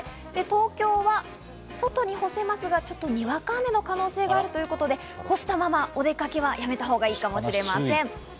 東京は外に干せますが、にわか雨の可能性があるということで、干したままお出かけはやめたほうがいいかもしれません。